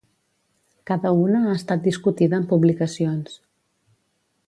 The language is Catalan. Cada una ha estat discutida en publicacions.